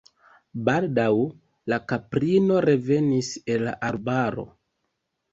Baldaŭ la kaprino revenis el la arbaro.